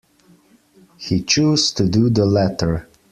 He chose to do the latter.